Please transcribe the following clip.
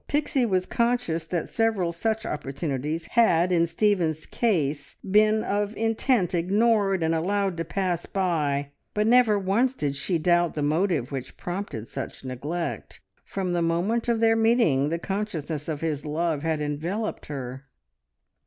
Pixie was conscious that several such opportunities had in Stephen's case been of intent ignored and allowed to pass by, but never once did she doubt the motive which prompted such neglect. From the moment of their meeting the consciousness of his love had enveloped her.